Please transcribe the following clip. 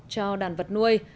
cho đàn vật nuôi